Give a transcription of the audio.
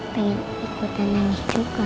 pengen ikutan nangis juga